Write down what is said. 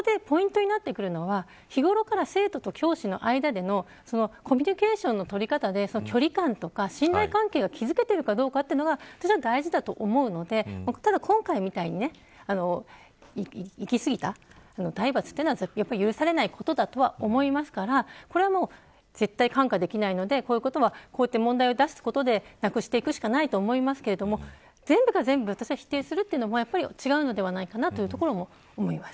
ただ、そこでポイントになってくるのは日頃から生徒と教師の間でのコミュニケーションの取り方で距離感とか、信頼関係が築けているかどうかが私は大事だと思うのでただ、今回みたいにいき過ぎた体罰というのはやっぱり許されないことだと思いますからこれは絶対看過できないのでこういった事は問題を出すことでなくしていくしかないと思いますけど全部が全部否定するのも違うのではないかなということも思います。